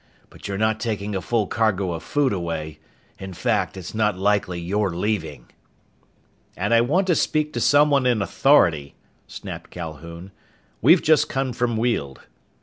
But you're not taking a full cargo of food away! In fact, it's not likely you're leaving!" "And I want to speak to someone in authority," snapped Calhoun. "We've just come from Weald."